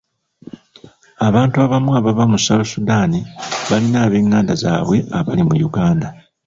Abantu abamu abava mu South Sudan balina ab'enganda zaabwe abali mu Uganda.